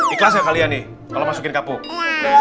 ikhlas nggak kalian nih kalau masukin kapuk